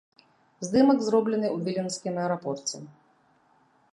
Здымак зроблены ў віленскім аэрапорце.